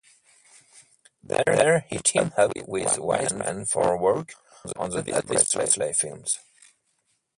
There he teamed up with Weisman for work on the Elvis Presley films.